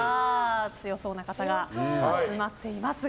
強そうな方が集まっていますが。